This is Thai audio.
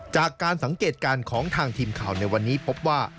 จากการสังเกตการณ์ของทางทีมข่าวในวันนี้พบว่า